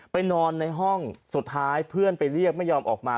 นอนในห้องสุดท้ายเพื่อนไปเรียกไม่ยอมออกมา